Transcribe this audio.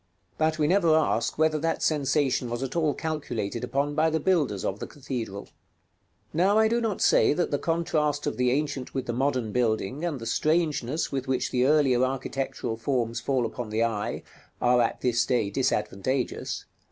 But we never ask whether that sensation was at all calculated upon by the builders of the cathedral. § LII. Now I do not say that the contrast of the ancient with the modern building, and the strangeness with which the earlier architectural forms fall upon the eye, are at this day disadvantageous.